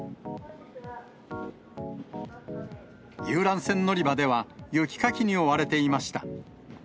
遊覧船乗り場では、雪かきに追われていました。